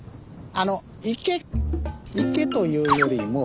あの池池というよりも。